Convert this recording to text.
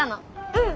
うん。